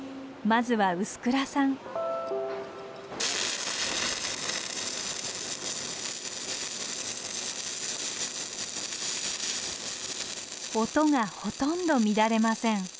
まずは臼倉さん音がほとんど乱れません。